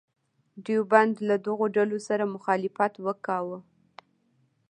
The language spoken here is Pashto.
دیوبند له دغو ډلو سره مخالفت وکاوه.